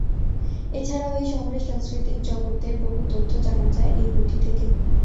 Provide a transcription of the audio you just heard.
এছাড়াও এই শহরের সাংস্কৃতিক জগতের বহু তথ্য জানা যাই এই বইটি থেকে।